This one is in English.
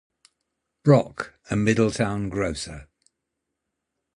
Brock, a Middletown grocer.